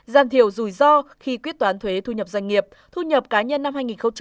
giảm thiểu rủi ro khi quyết toán thuế thu nhập doanh nghiệp thu nhập cá nhân năm hai nghìn một mươi bảy